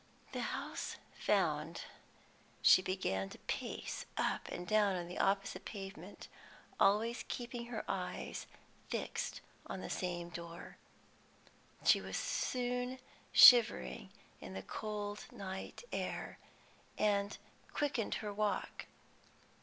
The house found, she began to pace up and down on the opposite pavement, always keeping her eyes fixed on the same door. She was soon shivering in the cold night air, and quickened her walk.